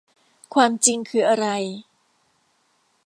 ความจริงคืออะไร